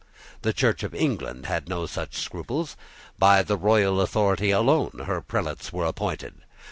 The Church of England had no such scruples. By the royal authority alone her prelates were appointed.